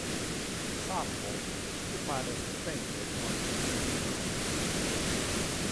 Salvo, tu pare stupende con ille malia.